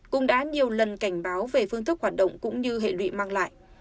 cũng đã nhiều lần cảnh báo về phương thức hoạt động cũng như hệ lụy mang lại